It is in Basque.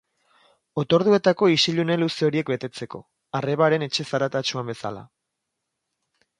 Otorduetako isilune luze horiek betetzeko, arrebaren etxe zaratatsuan bezala.